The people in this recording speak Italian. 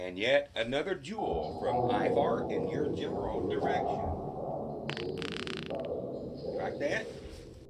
Alla città elvetica Porlezza è collegata anche tramite un servizio di battelli sul Ceresio.